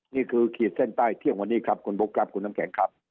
ขีดเส้นใต้เที่ยงวันนี้ครับคุณบุ๊คครับคุณน้ำแข็งครับ